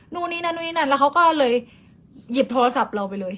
นู่นนี่นั่นนู่นนี่นั่นแล้วเขาก็เลยหยิบโทรศัพท์เราไปเลย